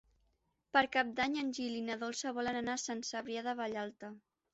Per Cap d'Any en Gil i na Dolça volen anar a Sant Cebrià de Vallalta.